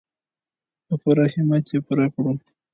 په پوره همت یې پوره کړو.